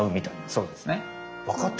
そうですね。